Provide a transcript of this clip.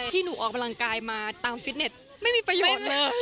ที่หนูออกกำลังกายมาตามฟิตเน็ตไม่มีประโยชน์เลย